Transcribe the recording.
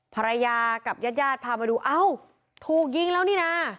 ภรรยากับญาติญาติพามาดูเอ้าถูกยิงแล้วนี่นะ